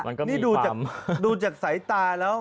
นี่ดูจากสายตาแล้ว